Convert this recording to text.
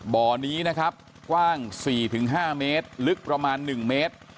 บ่อนี้นะครับกว้างสี่ถึงห้าเมตรลึกประมาณหนึ่งเมตร